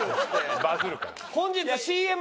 本日ＣＭ。